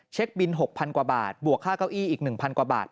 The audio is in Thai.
บิน๖๐๐กว่าบาทบวกค่าเก้าอี้อีก๑๐๐กว่าบาท